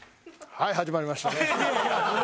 はい始まりました。